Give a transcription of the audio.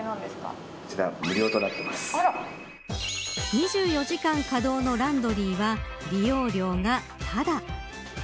２４時間稼働のランドリーは利用料がただ。